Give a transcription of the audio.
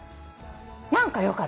何かよかった。